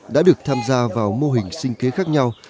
đã được tham gia vào mô hình sinh kế khác nhau